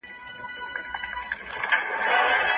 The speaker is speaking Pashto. ایا ډېر ړانده سړي په ګڼ ځای کي ږیري لري؟